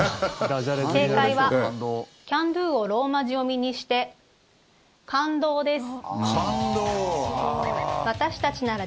正解は「ＣａｎＤｏ」をローマ字読みにして「感動」です。